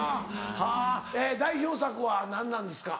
はぁえぇ代表作は何なんですか？